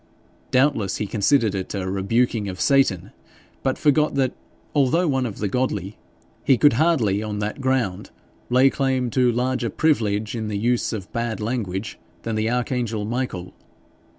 Doubtless he considered it a rebuking of Satan, but forgot that, although one of the godly, he could hardly on that ground lay claim to larger privilege in the use of bad language than the archangel Michael.